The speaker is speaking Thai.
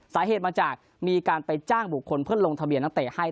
สาเหตุมาจากมีการไปจ้างบุคคลเพื่อลงทะเบียนนักเตะให้